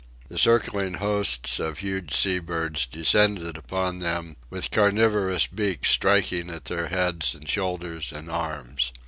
The circling hosts of huge sea birds descended upon them, with carnivorous beaks striking at their heads and shoulders and arms.